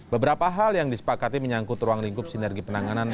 beberapa hal yang disepakati menyangkut ruang lingkup sinergi penanganan